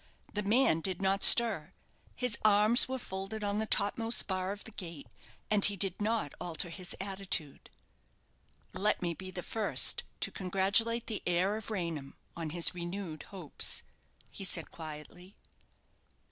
The man did not stir. His arms were folded on the topmost bar of the gate, and he did not alter his attitude. "Let me be the first to congratulate the heir of Raynham on his renewed hopes," he said, quietly.